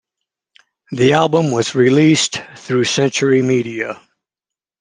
The album was released through Century Media.